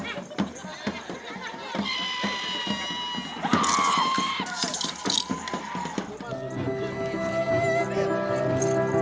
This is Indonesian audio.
akan saya pakai penutup normal untuk kedua dekade besaris